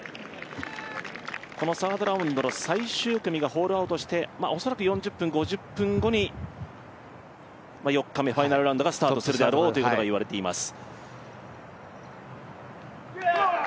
このサードラウンドの最終組がホールアウトして恐らく４０分、５０分後に４日目、ファイナルラウンドがスタートするだろうと言われています。